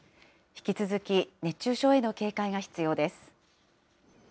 引き続き熱中症への警戒が必要です。